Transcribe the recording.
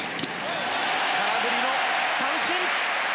空振りの三振！